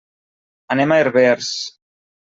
Anem a Herbers.